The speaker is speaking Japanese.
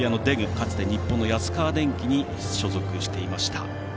かつて日本の安川電機に所属していました。